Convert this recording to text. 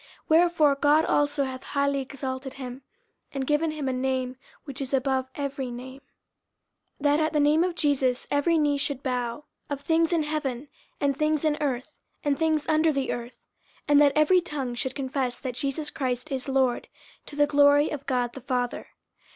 50:002:009 Wherefore God also hath highly exalted him, and given him a name which is above every name: 50:002:010 That at the name of Jesus every knee should bow, of things in heaven, and things in earth, and things under the earth; 50:002:011 And that every tongue should confess that Jesus Christ is Lord, to the glory of God the Father.